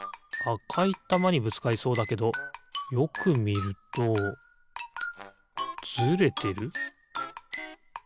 あかいたまにぶつかりそうだけどよくみるとずれてる？